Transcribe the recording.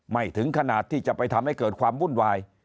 ถึงขนาดที่จะไปทำให้เกิดความวุ่นวาย